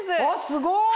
すごい！